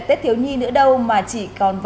tết thiếu nhi nữa đâu mà chỉ còn